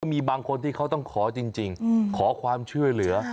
มีบางคนที่เขาต้องขอจริงขอความช่วยเหลือ